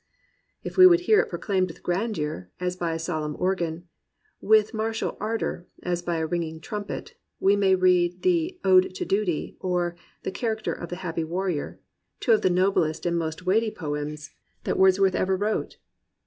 If we would hear it proclaimed with grandeur, as by a solemn organ; or with martial ardour, as by a ringing trumpet, we may read the Ode to Duty or The Character of the Happy Warrior, two of the noblest and most weighty poems that Wordsworth 227 COMPANIONABLE BOOKS ever wrote.